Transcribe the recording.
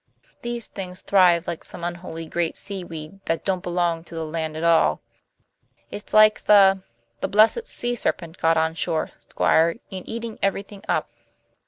These things thrive like some unholy great seaweed that don't belong to the land at all. It's like the the blessed sea serpent got on shore, Squire, and eating everything up."